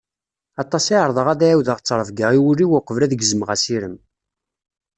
Aṭas i ɛerḍeɣ ad ɛiwdeɣ ttrebga i wul-iw uqbel ad gezmeɣ asirem.